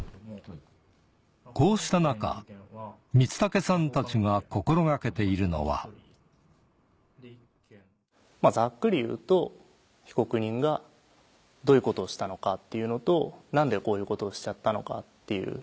こうした中光武さんたちが心掛けているのはざっくりいうと被告人がどういうことをしたのかっていうのと何でこういうことをしちゃったのかっていう。